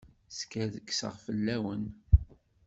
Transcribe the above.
Skerkseɣ fell-awen.